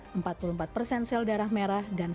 komposisi darah manusia sendiri terbagi menjadi tiga